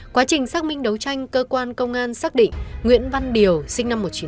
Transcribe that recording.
quá trình xác minh đấu tranh cơ quan công an xác định nguyễn văn điều sinh năm một nghìn chín trăm tám mươi ba